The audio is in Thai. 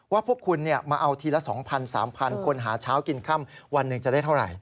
พวกคุณมาเอาทีละ๒๐๐๓๐๐คนหาเช้ากินค่ำวันหนึ่งจะได้เท่าไหร่